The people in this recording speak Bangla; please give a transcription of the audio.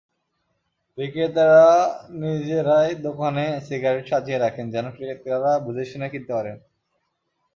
বিক্রেতারা নিজেরাই দোকানে সিগারেট সাজিয়ে রাখেন, যেন ক্রেতারা বুঝে-শুনে কিনতে পারেন।